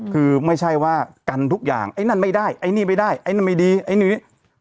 คือไม่ใช่ว่ากันทุกอย่างไอ้นั่นไม่ได้ไอ้นี่ไม่ได้ไอ้นั่นไม่ดีไอ้นี่